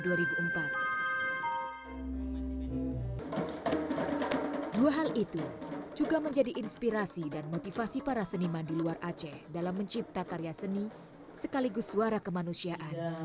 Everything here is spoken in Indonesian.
dua hal itu juga menjadi inspirasi dan motivasi para seniman di luar aceh dalam mencipta karya seni sekaligus suara kemanusiaan